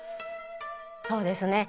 そうですね。